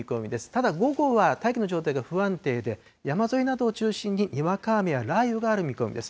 ただ、午後は大気の状態が不安定で、山沿いなどを中心に、にわか雨や雷雨がある見込みです。